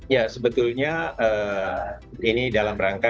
ya sebetulnya ini dalam rangka